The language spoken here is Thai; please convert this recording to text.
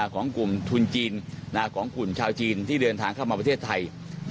ของกลุ่มทุนจีนของกลุ่มชาวจีนที่เดินทางเข้ามาประเทศไทย